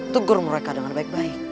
tegur mereka dengan baik baik